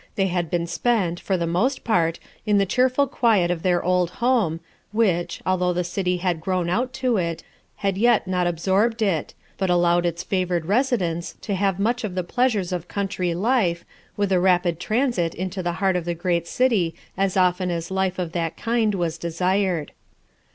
They had been spent, for the most part, in the cheerful quiet of their old home, which, although the city had grown out to it, had yet not absorbed it but allowed its favored residents to have much of the pleasures of country life, with a rapid transit into the heart of the great city as often as life of that kind was desired.